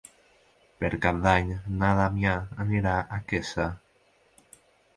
Per Cap d'Any na Damià anirà a Quesa.